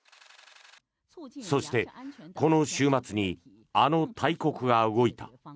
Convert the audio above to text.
そしてこの週末にあの大国が動いた。